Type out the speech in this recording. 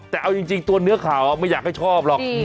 แต่เอาจริงตัวเนื้อข่าวไม่อยากให้ชอบหรอก